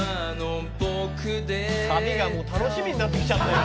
「サビがもう楽しみになってきちゃったよ」